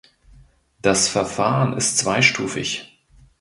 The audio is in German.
Das Verfahren ist zweistufig.